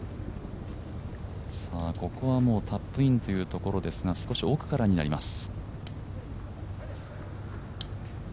ここはタップインというところですが、少し奥からになります。